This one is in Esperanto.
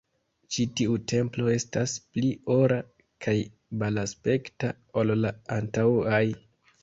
Ĉi tiu templo estas pli ora kaj belaspekta ol la antaŭaj